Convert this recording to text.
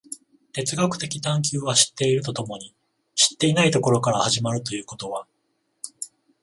哲学的探求は知っていると共に知っていないところから始まるということは、